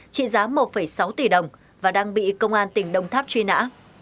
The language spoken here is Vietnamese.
trị giá một sáu tỷ đồng và đang bị công an tỉnh đồng tháp truy nã